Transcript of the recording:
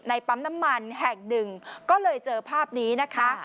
ปั๊มน้ำมันแห่งหนึ่งก็เลยเจอภาพนี้นะคะ